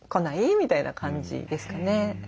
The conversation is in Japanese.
みたいな感じですかね。